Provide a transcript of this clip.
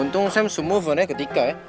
untung sam semuvennya ketika ya